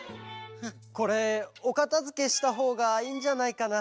これおかたづけしたほうがいいんじゃないかな？